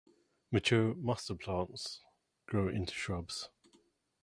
Mature mustard plants grow into shrubs.